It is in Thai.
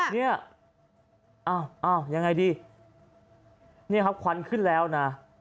เนี่ยครับควันขึ้นแล้วนะ